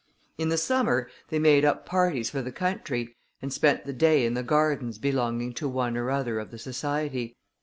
In the summer they made up parties for the country, and spent the day in the gardens belonging to one or other of the society.